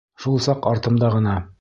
Шул саҡ артымда ғына: